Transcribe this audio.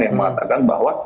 yang mengatakan bahwa